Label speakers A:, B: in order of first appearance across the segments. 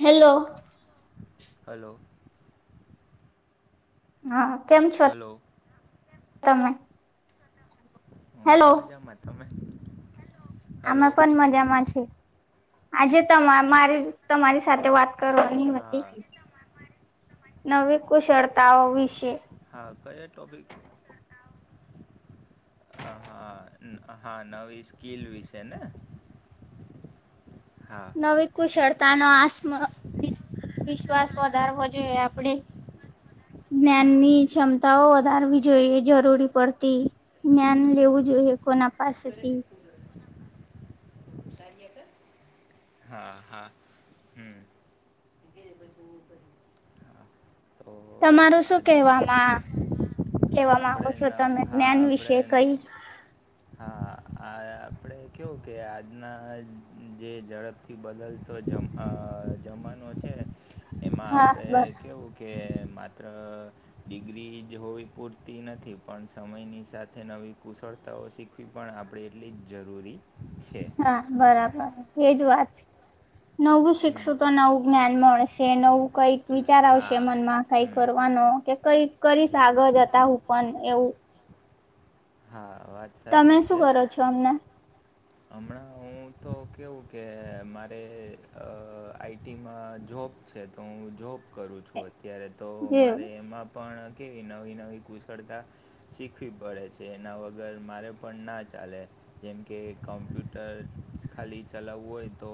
A: Hello
B: hello
A: હા કેમ છો
B: હલો
A: તમે? હેલો
B: હું મજામાં તમે
A: અમે
B: હલો
A: પન મજામાં છી. આજે તમા મારી તમારી સાથે વાત કરવાની હતી.
B: હા
A: નવી કુશળતાઓ વિશે.
B: હા કયા ટોપિક નવી કુશળતાઓ વિશે આ હા. હા નવી સ્કીલ વિશેને? હા
A: નવી કુશળતાનો આસમ વિશ્વાસ વધારવો જોઈએ આપણે જ્ઞાનની ક્ષમતાઓ વધારવી જોઈએ જરૂરી પડતી. જ્ઞાન લેવું જોઈએ કોના પાસેથી.
B: [inaudible] હા હા હમ હા તો
A: તમારું શું
B: આજ
A: કહેવામાં
B: હા
A: કહેવા માંગો
B: આપણે
A: છો
B: ન
A: તમે
B: હા
A: જ્ઞાન વિશે
B: આપણે
A: કંઈ?
B: હા આ આપણે કેવું કે આજના જે ઝડપ થી બદલતો જમ અ જમાનો છે એમાં
A: હા
B: આપણે
A: બર
B: કેવું કે માત્ર ડિગ્રી જ હોવી પૂરતી નથી પણ સમયની સાથે નવી કુશળ તાઓ શીખવી પણ આપણે એટલી જ જરૂરી છે.
A: હા બરાબર એજ વાત નવું
B: હમ.
A: શીખશું તો નવું જ્ઞાન મળશે નવું કઈક વિચાર આવશે
B: હા
A: મનમાં કઈ
B: હમ
A: કરવાનો કે કઈક કરીશ આગળ જતા હું પણ એવું
B: હા વાત
A: તમે
B: સાચી
A: શું
B: છે.
A: કરો છો હમના?
B: હમણાં હું તો કેવું કે મારે આઈ ટીમાં જોબ છે તો હું જોબ કરું છું અત્યારે તો
A: જે
B: મારે એમાં પણ કેવી નવી નવી કુશળતા શીખવી પડે છે એના વગર મારે પણ ના ચાલે જેમ કે કમ્પ્યુટર ખાલી ચલાવવું હોય તો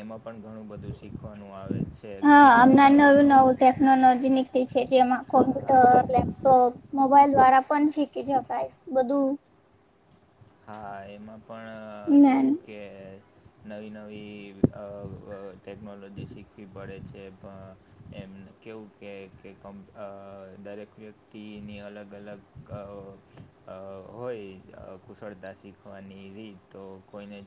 B: એમાં પણ ઘણું બધું શીખવાનું આવે છે. છે, ઘ નવું નવું
A: ટેકનોલોજી નીકતી છે જેમાં
B: હા હા તે
A: કોમ્પ્યુટર, લે લેપટોપ મોબાઈલ દ્વારા પણ શીખી શકાય બધું
B: હા એમાં પણ
A: જ્ઞાન
B: કેવું કે નવી નવી ટેકનોલોજી શીખવી પડે છે. એમ કેવું કે કે દરેક વ્યક્તિની અલગ અલગ અ હોય કુશળતા શીખવાની રીત તો કોઈને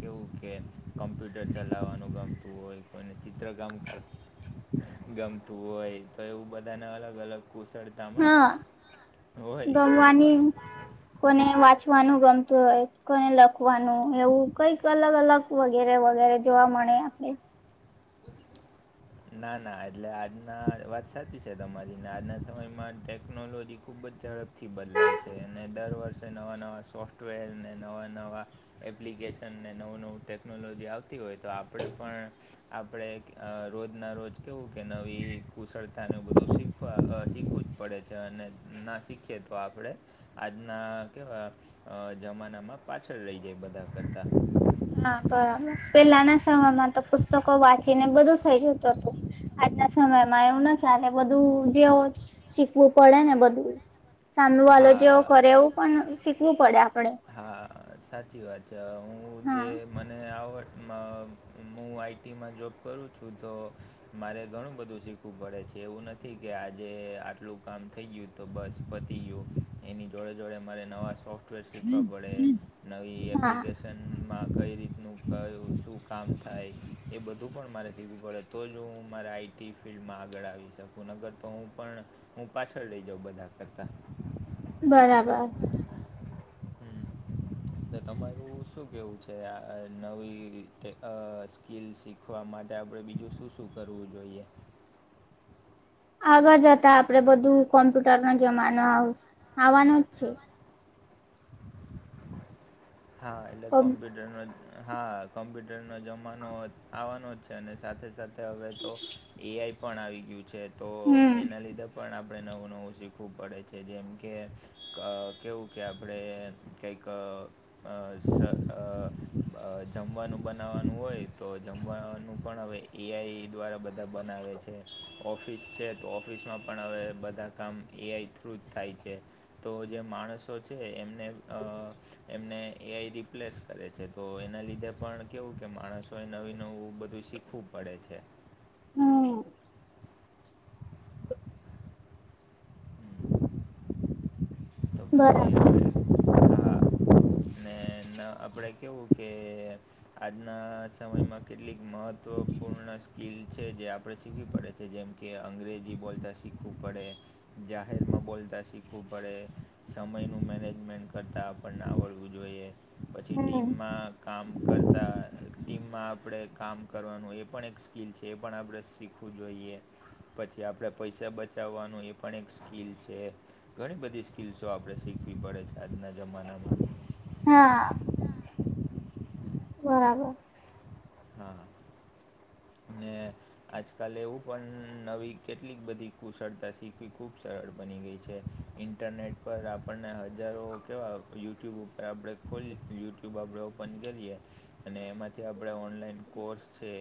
B: કેવું કે કોમ્પ્યુટર ચલાવવાનું ગમતું હોય કોઈને ચિત્ર કામ કર ગમતું હોય તો એવું બધાને અલગ અલગ કુશળતામાં
A: હા
B: હોય
A: ગમવાની
B: શીખવાનું.
A: કોને વાંચવાનું ગમતું હોય કોને લખવાનું એવું કઈક અલગ અલગ વગેરે વગેરે જોવા મળે આપણે
B: ના ના એટલે આજના વાત સા તમારી આજના સમયમાં ટેકનોલોજી ખુબ જ ઝડપથી બદલાય છે અને દર વર્ષે નવા નવા સોફ્ટવેર અનેને નવા નવા એપ્લિકેશન ને નવું નવું ટેકનોલોજી આવતી હોય તો આપણે પણ આપણે રોજના રોજ કેવું કે નવી કુશળતાનું બધું શીખવા શીખવું જ પડે છે અને ના શીખીએ તો આપડે આજના કેવા જમાનામાં પાછળ રહી જાય બધા કરતા.
A: હા બરાબર પેલાના સમયમાં તો પુસ્તકો વાંચીને બધું થઇ જતું હતું. આજના સમયમાં એવું ના ચલે બધું જેવું શીખવું પડે ને બધું. સામે વાલો જેવો
B: હા
A: કરે એવું પણ શીખવું પડે આપડે.
B: હા સાચી વાત છે હું જે
A: હા
B: મને આવડ હું આઈટીમાં જોબ કરું છું તો મારે ઘણું બધું શીખવું પડે છે એવું નથી કે આજે આટલું કામ થઈ ગયું તો બસ પતી ગયું. એની જોડે જોડે મારે નવા સોફ્ટવેર શીખવા પડે નવી એપ્લિક
A: હા
B: માં કઈ રીતનું કયું શું કામ થાય એ બધું પણ મારે શીખવું પડે તો જ હું મારે આઈટી ફિલ્ડમાં આગળ આવી શકું નગર તો હું પણ હું પાછળ લઈ જાઉં બધા કરતા.
A: બરાબર.
B: હમ
A: [inaudible]
B: તમારું શું કેવું છે, આ નવી સ્કીલ શીખવા માટે આપડે બીજું શું શું કરવું જોઈએ.
A: આગળ જતા આપડે બધું કોમ્પ્યુટર નો જમાનો આવ આવવાનો જ છે.
B: હા એટલે કોમ્પ્યુટર હા કોમ્પ્યુટરનો જમાનો આવવાનો જ છે અને સાથે સાથે હવે તો એ આઈ પણ આવી ગયું છે તો
A: હમ
B: એના લીધે પણ આપણે નવું નવું શીખવું પડે છે જેમ કે. કેવું કે આપણે કંઈક અ હ અ જમવાનું બનાવાનું હોય તો જમવાનું પણ હવે એઆઈ દ્વારા. બધા બનાવે છે. ઓફિસ છે તો ઓફિસમાં પણ હવે બધા કામ એઆઈ થ્રુ જ થાય છે. તો જે માણસો છે એમને અ એમને. એઆઈ રિપ્લેસ કરે છે તો એના લીધે પણ કેવું કે માણસોએ નવી નવું બધું શીખ. ખૂબ પડે છે.
A: હમ
B: હમ. તો પછી હવે
A: બરાબર
B: હા. ને ન આપણેે કેવું કે. આજના સમયમાં કેટલીક મહત્વપૂર્ણ સ્કીિલ છે જે આપણે શીખવી પડે છે જેમ. કે અંગ્રેજી બોલતાં શીખવું પડે જાહેરમાં બોલતાં શીખવું પડે. સમયનું મેનેજમેન્ટ કરતાં આપણને આવડવું જોઈએ. પછી
A: હમ
B: ટીમમાં કામ કરતા ટીમમાં આપણેે કામ કરવાનું એ પણ એક. સકીલ છે એ પણ આપણે શીખવું જોઈએ. પછી આપણેે પૈસા બચાવવાનું એ પણ એક સ્કીિલ છે ઘણી બધી. કિલ્સો આપણે શીખવી પડે છે આજના જમાનામાં.
A: હા. બરાબર.
B: હા. ને આજકાલે એવું પણ નવી કેટલીક બધી કુશળતા શીખવી ખૂબ સરળ બની ગઈ છે. ઇન્ટરનેટ પર આપણને હજારો કેવા યુટ્યુબ ઉપર આપણે કુલ યુટ્યુબ આપણે ઓપન કરીએ અને એમાંથી આપણે ઓનલાઈન કોર્સ છે.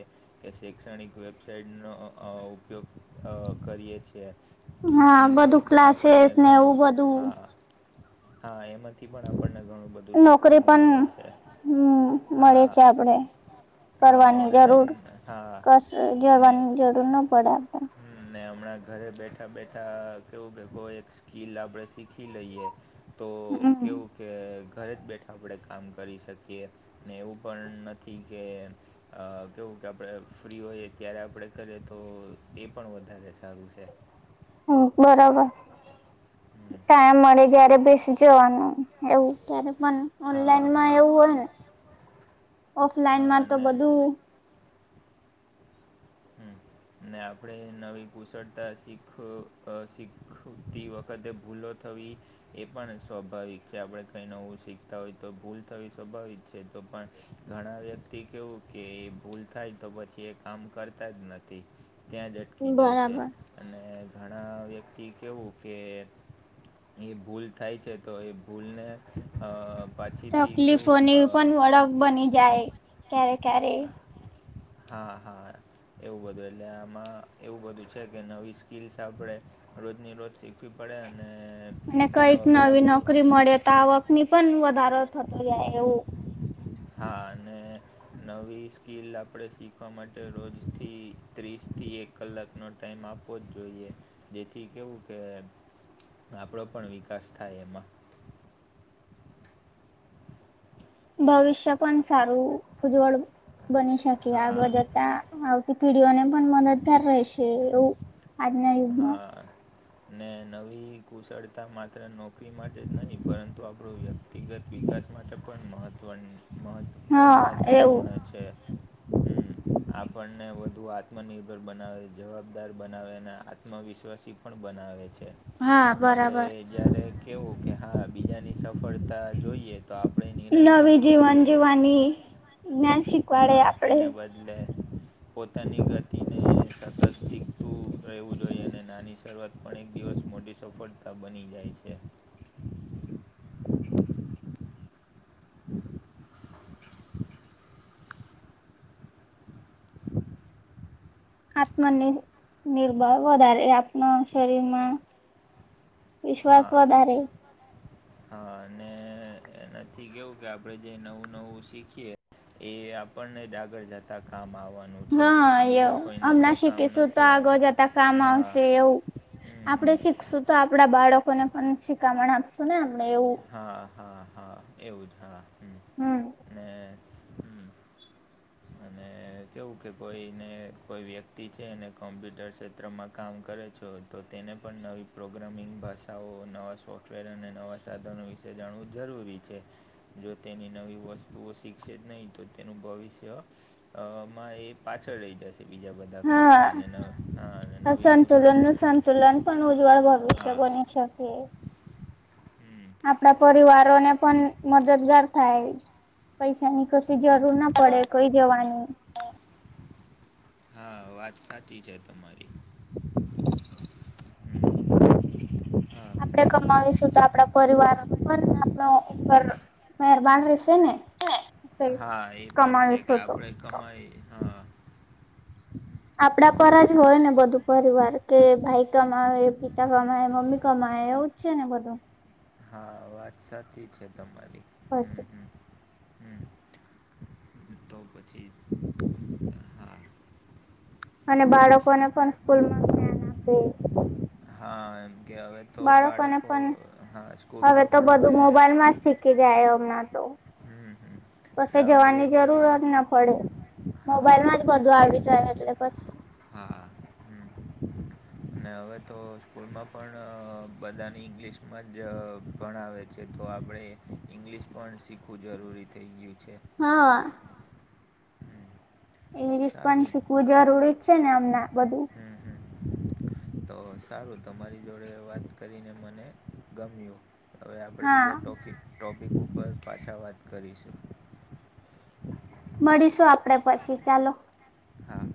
B: કે શૈક્ષણિક વેબસાઇટનો અ ઉપયોગ અ કરીએ છીએ
A: હા બધું
B: એમાંથી આપણને
A: ક્લાસીસ ને
B: ઘણું
A: એવું બધું
B: હા હા એમાંથી પણ આપણને ઘણું બધું
A: નોકરી
B: શીખવાનું
A: પણ
B: મળે
A: હ
B: છે
A: મળે
B: હા
A: છે આપડે
B: હા
A: કરવાની
B: ઓનલાઈન
A: જરૂર
B: હા
A: કશે
B: ને
A: જવાની જરૂર ના પડે આપે.
B: હમ ને હમણાં ઘરે બેઠા બેઠા કેવું કે કો એક સ્કીિલ આપણેે શીખી લઈએ. તો
A: હમ
B: કેવું કે ઘરે જ બેઠા આપણેે કામ કરી શકીએ ને એવું પણ નથી કે અ કેવું કે આપણે ફ્રી હોઈએ ત્યારે આપડણે કરીએ તો એ પણ વધારે સારું છે.
A: હમ બરોબર
B: હમ
A: ટાઈમ મળે જયારે બેસી જવાનું એવું ત્યારે મને
B: હા
A: ઓનલાઈનમાં
B: હા
A: એવું હોય ને
B: હા
A: ઓફલાઈનમાં તો
B: અને
A: બધું. [inaudible]
B: હમ. ને આપણે નવી કુશળતા શીખ શીખતી વખતે ભૂલો. થવી. એ પણ સ્વાભાવિક છે આપણે કઈ નવું શીખતા હોય તો ભૂલ થવી સ્વાભાવિક છે તો પણ ઘણા વ્યક્તિ કેવું કે એ ભૂલ થાય તો પછી એ કામ કર જ નથી ત્યાં જ અટકી જાય છે.
A: બરાબર
B: અને ઘણા વ્યક્તિ કહેવું કે એ ભૂલ થાય છે તો એ ભૂલને અ પાછીથી કેવુંઅ
A: સડક બની જાય ક્યારે ક્યારે
B: હા હા. એવું બધું એટલે આમાં એવું બધું છે કે નવી સ્કીલ્સ આપણે રોજની રોજ શ શીખવી પડે અને.
A: અને
B: એના
A: કઈક
B: વગર
A: નવી
B: આપણું
A: નોકરી મળે તો આવકની પણ વધારો થતો જાય એવું.
B: હા અને નવી સ્કીિલ આપણે શીખવા માટે રોજથી ત્રીસ થી એક કલાકનો ટાઈમ આપવો જ જોઈએ જેથી કેવું કે આપણો પણ વિકાસ થાય એમાં.
A: ભવિષ્ય પણ સારું ઉજ્જવળ બની શકે
B: હા
A: આગળ જતા - આવતી પીડીઓને પણ મદદગાર રહેશે એવું આજ.
B: હા ને નવી કુશળતા માત્ર નોકરી માટે જ નહીં પરંતુ આપડુ વ્યક્તિ વ્યક્તિગત વિકાસ માટે પણ મહત્વ મહ
A: હા એવું
B: મહત્ત્વપૂર્ણ છે. હમ્મ આપણને વધુ આત્મનિર્ભર બનાવે જવાબદાર બનાવેને આત્મવિશ્વાસી પણ બનાવે છે
A: હા
B: આપણે
A: બરાબર
B: જ્યારે કેવું કે હા બીજાની સફળતા જોઈએ તો આપણે નિરાશ ના
A: નવી
B: થવું
A: જીવન
B: જોઈએ.
A: જીવવાની [unintelligible]
B: હા
A: આપડે
B: તેને બદલે પોતાની ગતિને સતત શીખતું. રહેવું જોઈએ અને નાની શરૂઆત પણ એક દિવસ મોટી સફળતા બની જાય છે. [inaudible]
A: આત્મ નીર નિર્ભર વધારે આપના શરીરમાં વિશ્વાસ
B: હા.
A: વધારે
B: હા અને એનાથી કેવું કે આપણે જે નવું નવું શીખીએ એ આપણને જ આગળ જતા કામ આવવાનું. છે
A: હા
B: એ બીજા
A: એવું
B: કોઈને તો
A: હમણા
B: કામ
A: શીખીશું તો
B: નથી આવ
A: આગળ જતા કામ
B: હા
A: આવશે એવું
B: હમ હમ
A: આપણે શીખશું તો આપડા બાળકોને પણ શીખામણ આપશું ને આપણે એવું.
B: હા હા હા એવું જ હા હમ
A: હમ્મ
B: ને હમ અને કેવું કે કોઈને કોઈ વ્યક્તિ છે એને કોમ્પ્યુટર ક્ષેત્રમાં કામ કરે છો તો તેને પણ નવી પ્રોગ્રામિંગ ભાષાઓ નવા સોફ્ટવેર અને નવા સાધનો વિ તે જાણવું જરૂરી છે જો તેની નવી વસ્તુઓ શીખશે જ નહીં તો તેનું ભવિષ્ય અમાં એ પાછળ રહી જશે બીજા બધા કરતા
A: હા
B: અને હા નવી કુશળતા
A: તુલન પણ ઉજ્જવળ ભવિષ્ય
B: હા
A: બની શકે
B: હમ
A: આપણા પરિવારો ને પણ મદદગાર થાય પૈસાની કસી જરૂર ના પડે કોઈ જવાની
B: હા વાત સાચી છે તમારી હમ્મ
A: આપણેે કમાવીશું તો આપણા પરિવાર પણ આપણો ઉપર મહેરબાન હશેને કઈ
B: હા એ પણ છે કે
A: કમાવીશુ તો
B: આપણે કમાઈ હા
A: આપડા પર રજ હોય ને બધું પરિવાર કે ભાઈ કમાવે પિતા કમાય મમ્મી કમાવે એવું જ છે ને બધું
B: હા વાત સાચી છે તમારી હમ્મ હમ્મ તો પછી
A: [inaudible]
B: હા
A: અને બાળકોને પણ સ્કૂલમાં હમ્મ હમ્મ તેજ
B: હા એમ કે હવે તો
A: બાળકોને
B: બાળકો
A: પણ
B: હા
A: હવે
B: સ્કૂલમાં
A: તો
B: પણ
A: બધું
B: હવે
A: મોબાઈલ માં જ શીખી જાય હમણા તો
B: હમ હમ
A: પછી
B: એટલે
A: જવાની
B: અંગ્રેજી
A: જરૂરત ના પડે
B: હા
A: મોબાઈલમાં જ
B: અને
A: બધું આવી જાય એટલે પસી
B: હા હમ્મ ને હવે તો સ્કૂલમાં પણ આ બધાની ઇંગ્લિશમાં જ ભણાવે છે તો આપણે ઇંગ્લિશ પણ શીખવું જરૂરી થઈ ગયું છે
A: હા
B: હમ
A: ઇંગ્લિશ પન
B: સારું
A: શીખવું જરૂરી જ છે ને હમના બધું.
B: હમ હમ તો સારું તમારી જોડે વાત કરીને મને ગમ્યું. હવે આપડે
A: હા
B: બીજા ટોપિક ટોપિક ઉપર પાછા વાત કરીશું.
A: મળીશું આપડે પછી ચાલો.
B: હા